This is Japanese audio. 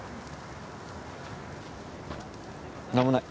何もない。